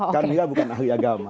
karena mila bukan ahli agama